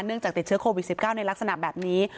จากติดเชื้อโควิด๑๙ในลักษณะแบบนี้